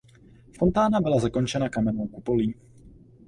Fontána byla zakončena kamennou kupolí.